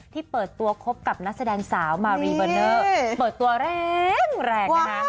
ที่เปิดตัวคบกับนักแสดงสาวมารีเบอร์เนอร์เปิดตัวแรงแรงนะคะ